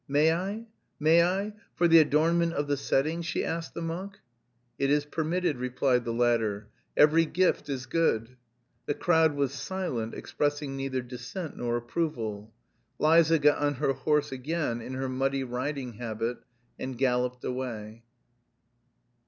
"May I? May I? For the adornment of the setting?" she asked the monk. "It is permitted," replied the latter, "every gift is good." The crowd was silent, expressing neither dissent nor approval. Liza got on her horse again, in her muddy riding habit, and galloped away.